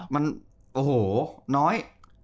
มันโอ้โหน้อย